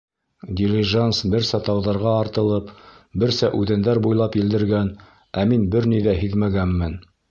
Дилижанс берсә тауҙарға артылып, берсә үҙәндәр буйлап елдергән, ә мин бер ни ҙә һиҙмәгәнмен.